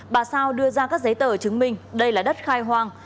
bà sao đưa ra các giấy tờ chứng minh đây là đất khai hoang